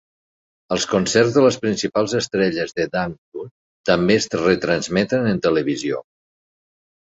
Els concerts de les principals estrelles de dangdut també es retransmeten en televisió.